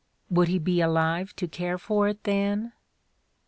Would he be alive to care for it then?